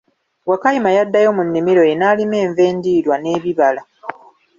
Wakayima yaddayo mu nnimiro ye n'alima enva endiirwa n'ebibala.